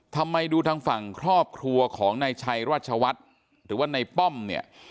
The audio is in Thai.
ทำไมดูทางฝั่งครอบครัวของนายชัยราชวัฒน์หรือว่าในป้อมเนี่ย